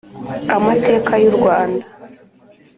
Amateka y’Urwanda.